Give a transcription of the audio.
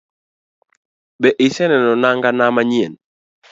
Be iseneno nanga na manyien?